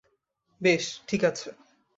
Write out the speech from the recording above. বেশ, ঠিক আছে।